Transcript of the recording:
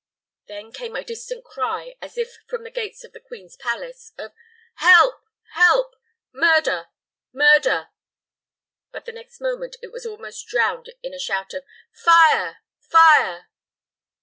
Then came a distant cry, as if from the gates of the queen's palace, of "Help! help! Murder! murder!" but, the next moment, it was almost drowned in a shout of "Fire! fire!"